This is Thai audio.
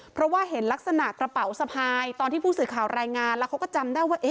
เพราะว่าเห็นลักษณะกระเป๋าสะพายตอนที่ผู้สื่อข่าวรายงานแล้วเขาก็จำได้ว่า